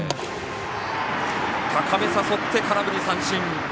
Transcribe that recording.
高めを誘って空振り三振！